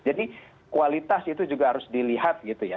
jadi kualitas itu juga harus dilihat